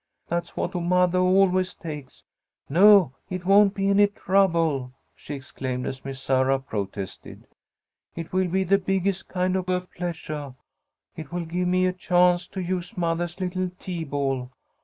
That's what mothah always takes. No! It won't be any trouble," she exclaimed, as Miss Sarah protested. "It will be the biggest kind of a pleasuah. It will give me a chance to use mothah's little tea ball.